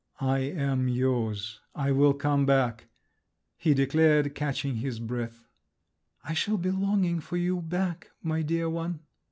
"I am yours. I will come back," he declared, catching his breath. "I shall be longing for you back, my dear one!"